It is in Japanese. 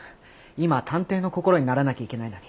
今は探偵の心にならなきゃいけないのに。